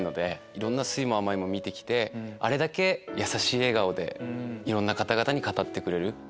いろんな酸いも甘いも見て来てあれだけ優しい笑顔でいろんな方々に語ってくれる。